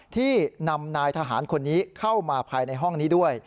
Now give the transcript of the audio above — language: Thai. ที่นำนายทหารคนนี้เข้ามาภายในห้องนี้ด้วย